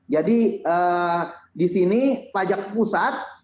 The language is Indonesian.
jadi di sini pajak pusat